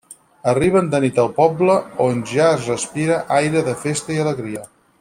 Arriben de nit al poble, on ja es respira aire de festa i alegria.